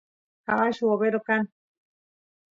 cabullu overo kan